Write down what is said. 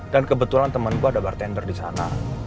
dan kebetulan temen gue ada bartender disana